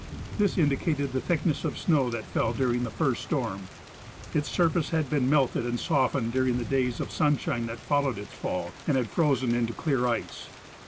This indicated the thickness of snow that fell during the first storm. Its surface had been melted and softened during the days of sunshine that followed its fall, and had frozen into clear ice.